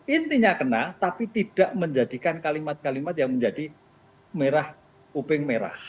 intinya kena tapi tidak menjadikan kalimat kalimat yang menjadi merah upeng merah